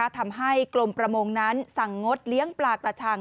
ทำให้กรมประมงนั้นสั่งงดเลี้ยงปลากระชัง